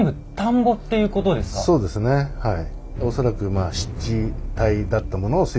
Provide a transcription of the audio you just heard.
そうですねはい。